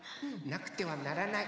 なくてはならない。